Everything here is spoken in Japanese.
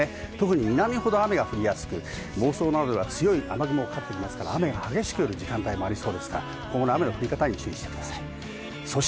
特に南ほど雨が降りやすく、房総などは強い雨雲かかってきますから雨が激しく降る時間帯もありそうですから、今後の雨の降り方に注意してください。